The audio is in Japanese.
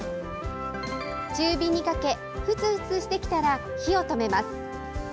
中火にかけふつふつしてきたら火を止めます。